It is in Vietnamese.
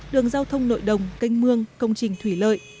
đường giao thông nội đồng canh mương công trình thủy lợi